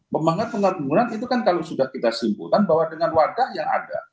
semangat pembangunan itu kan kalau sudah kita simpulkan bahwa dengan warga yang ada